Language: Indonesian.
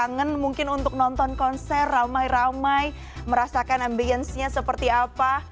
saya kangen mungkin untuk nonton konser ramai ramai merasakan ambiensnya seperti apa